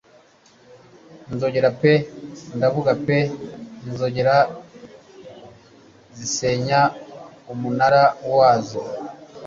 Inzogera pe ndavuga pe inzogera zisenya umunara wazo;